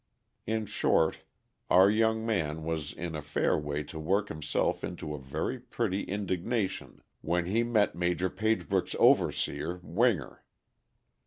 In short, our young man was in a fair way to work himself into a very pretty indignation when he met Maj. Pagebrook's overseer, Winger.